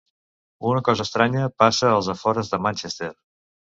Una cosa estranya passa als afores de Manchester.